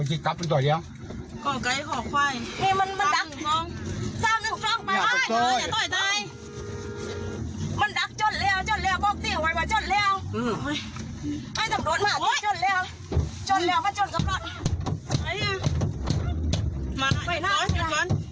จะมาลูกก๋นเหริม